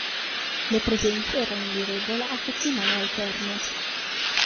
Le presenze erano di regola a settimane alterne.